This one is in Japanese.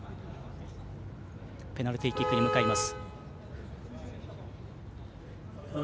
ペナルティーキックに向かいます。